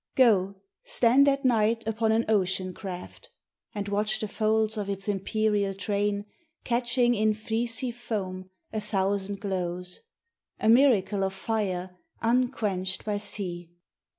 Go stand at night upon an ocean craft, And watch the folds of its imperial (rain Catching in fleecy foam a thousand giuws A miracle of fire unquenched by sen.